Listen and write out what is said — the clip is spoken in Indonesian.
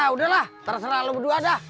udah lah terserah lo berdua dah